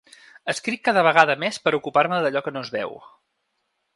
Escric cada vegada més per ocupar-me d’allò que no es veu.